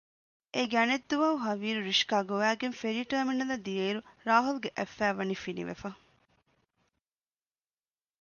އޭގެ އަނެއް ދުވަހު ހަވީރު ރިޝްކާ ގޮވައިގެން ފެރީ ޓާމިނަލަށް ދިޔައިރު ރާހުލްގެ އަތް ފައި ވަނީ ފިނިވެފަ